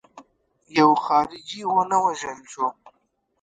یو خارجي ونه وژل شو.